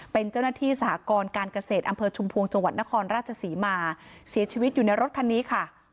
เป็นเจ้าหน้าที่สหกรการเกษตรอำเภอชุมพวงจังหวัดนครราชศรีมาเสียชีวิตอยู่ในรถคันนี้ค่ะ